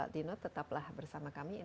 dino tetaplah bersama kami